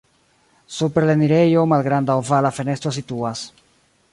Super la enirejo malgranda ovala fenestro situas.